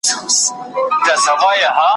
« ته به ښه سړی یې خو زموږ کلی مُلا نه نیسي» !.